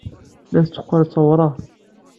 Tella tetteqqal d tawraɣt.